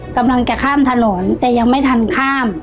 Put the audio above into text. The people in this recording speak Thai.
กำลังจะข้ามถนนแต่ยังไม่ทันข้าม